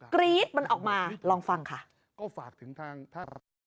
กรี๊ดมันออกมาลองฟังค่ะ